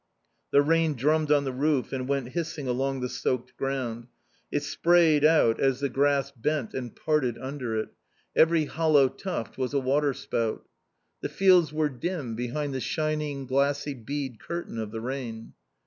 The rain drummed on the roof and went hissing along the soaked ground; it sprayed out as the grass bent and parted under it; every hollow tuft was a water spout. The fields were dim behind the shining, glassy bead curtain of the rain.